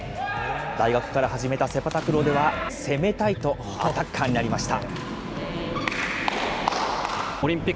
大学から始めたセパタクローでは攻めたいとアタッカーになりました。